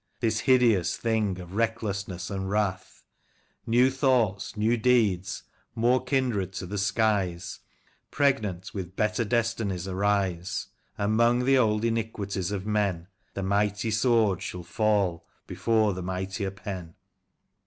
This hideous thing of recklessness and wrath ; New thoughts, new deeds, more kindred to the skies, Pregnant with better destinies arise, And 'mong the old iniquities of men The mighty Sword shall fall before the mightier Pen